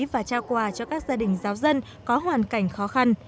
và trao quà cho các gia đình giáo dân có hoàn cảnh khó khăn